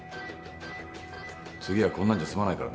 次はこんなんじゃ済まないからね。